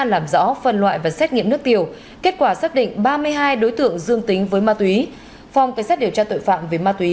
làm rõ phân loại và xét nghiệm nước tiểu kết quả xác định ba mươi hai đối tượng dương tính với ma túy